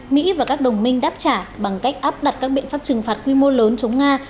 mỹ và các đồng minh đáp trả bằng cách áp đặt các biện pháp trừng phạt quy mô lớn chống nga